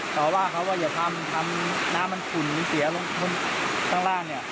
เราบอกเราว่าเดี๋ยวทำน้ำมันขุ่นทั้งหล่างเนี่ย